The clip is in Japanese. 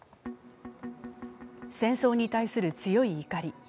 戦争に対する強い怒り。